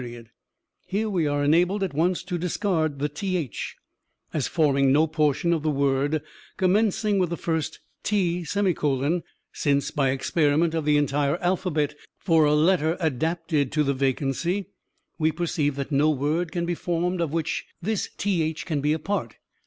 "Here we are enabled, at once, to discard the 'th,' as forming no portion of the word commencing with the first t; since, by experiment of the entire alphabet for a letter adapted to the vacancy, we perceive that no word can be formed of which this th can be a part.